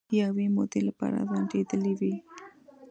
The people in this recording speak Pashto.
د یوې مودې لپاره ځنډیدېلې وې